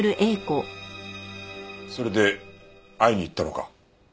それで会いに行ったのか？